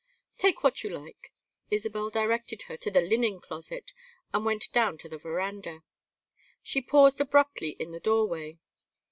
"Take what you like." Isabel directed her to the linen closet, and went down to the veranda. She paused abruptly in the doorway.